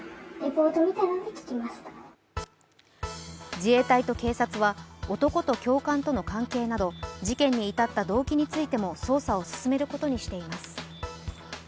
自衛隊と警察は、男と教官との関係など、事件に至った動機についても捜査を進めることにしています。